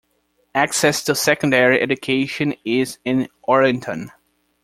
Access to secondary education is in Ollerton.